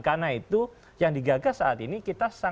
karena itu yang digagal saat ini kita sangat urjakan